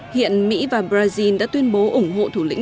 hiện mỹ và brazil đã tuyên bố ủng hộ thủ lĩnh